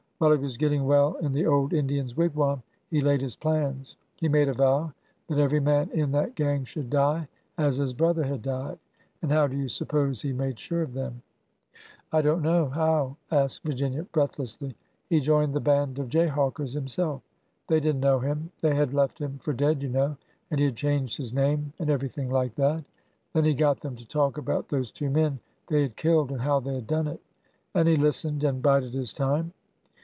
While he was getting well in the old Indian's wigwam he laid his plans. He made a vow that every man in that gang should die as his brother had died. And how do you suppose he made sure of them ?" I don't know. How ?" asked Virginia, breathlessly. He joined that band of jayhawkers himself. They did n't know him. They had left him for dead, you know ; and he had changed his name and everything like that. 272 ORDER NO. 11 Then he got them to talk about those two men they had killed and how they had done it. And he listened, and bided his time.